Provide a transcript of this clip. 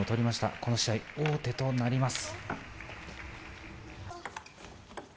この試合、王手となります。